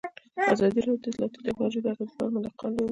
ازادي راډیو د اطلاعاتی تکنالوژي د اغیزو په اړه مقالو لیکلي.